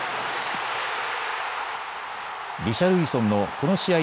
リシャルリソンのこの試合